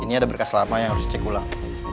ini ada berkas lama yang harus dicek ulang